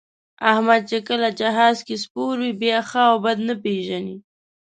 احمد چې کله جهاز کې سپور وي، بیا ښه او بد نه پېژني.